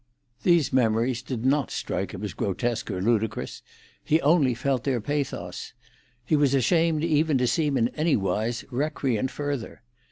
These memories did (not) strike him as grotesque or ludicrous; he only felt their pathos. He was ashamed even to seem in anywise recreant further.